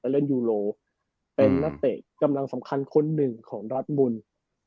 เล่นยูโรเป็นนักเตะกำลังสำคัญคนหนึ่งของดอสมุน